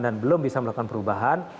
dan belum bisa melakukan perubahan